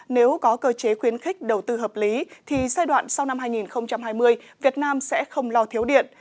nếu có cơ chế khuyến khích đầu tư hợp lý thì giai đoạn sau năm hai nghìn hai mươi việt nam sẽ không lo thiếu điện